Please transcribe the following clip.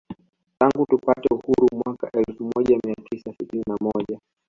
Tangu tupate uhuru mwaka elfu moja mia tisa sitini na moja